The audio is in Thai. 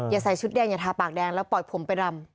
ใส่ชุดแดงอย่าทาปากแดงแล้วปล่อยผมไปรำ